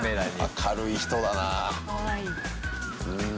明るい人だなぁ。